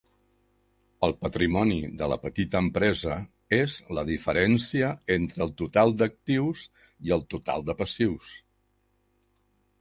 El patrimoni de la petita empresa és la diferència entre el total d'actius i el total de passius.